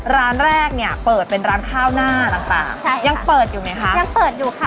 ร้านแรกเนี่ยเปิดเป็นร้านข้าวหน้าต่างต่างใช่ยังเปิดอยู่ไหมคะยังเปิดอยู่ค่ะ